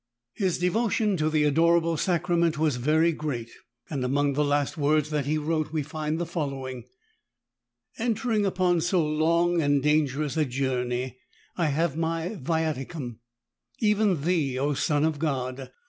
His devotion to the adorable Sacrament was very great, and among the last words that he wrote we find the following : ''Entering upon so long and dangerous a journey I have my Viaticum, even Thee, O Son of God.